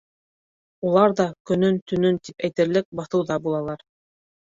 Улар ҙа көнөн-төнөн тип әйтерлек баҫыуҙа булалар.